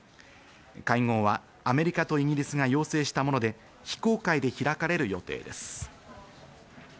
会合はアメリカとイギリスが要請したもので、非公開で開かれる予定です。